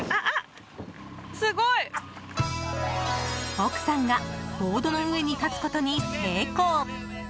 奥さんがボードの上に立つことに成功！